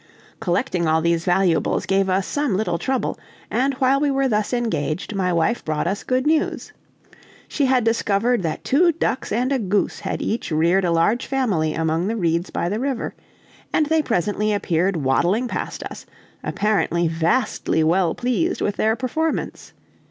Collecting all these valuables gave us some little trouble, and while we were thus engaged my wife brought us good news. She had discovered that two ducks and a goose had each reared a large family among the reeds by the river; and they presently appeared waddling past us, apparently vastly well pleased with their performance.